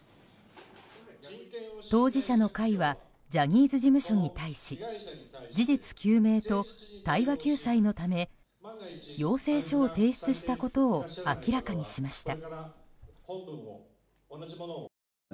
当事者の会はジャニーズ事務所に対し事実究明と対話救済のため要請書を提出したことを明らかにしました。